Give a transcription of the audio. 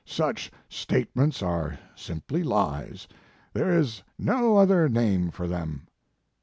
Such statements are simply lies there is no other name for them.